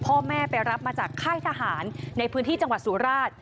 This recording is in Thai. พ่อแม่ไปรับมาจากค่ายทหารในพื้นที่จังหวัดสุราช